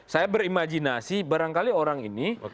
saya berimajinasi barangkali orang ini